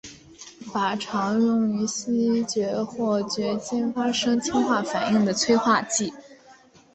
钯常用于烯烃或炔烃发生氢化反应的催化剂。